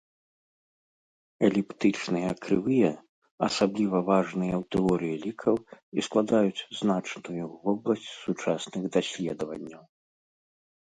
Эліптычныя крывыя асабліва важныя ў тэорыі лікаў і складаюць значную вобласць сучасных даследаванняў.